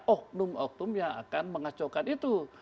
oknum oknum yang akan mengacaukan itu